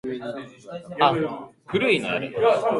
Irina finally met her demise in Hong Kong in the series finale.